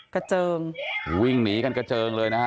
เจิงวิ่งหนีกันกระเจิงเลยนะฮะ